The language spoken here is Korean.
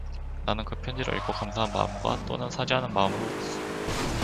나는 그 편지를 읽고 감사한 마음과 또는 사죄하는 마음으로 울었소.